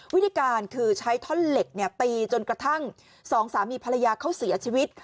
วิธีการคือใช้ท่อนเหล็กตีจนกระทั่งสองสามีภรรยาเขาเสียชีวิต